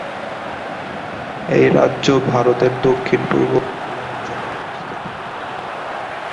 এই রাজ্য ভারতের দক্ষিণ-পূর্ব উপকূল অঞ্চলে অবস্থিত।